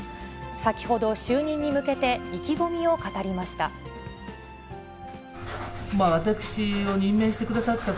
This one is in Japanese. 先ほど、就任に向けて意気込みを語りました。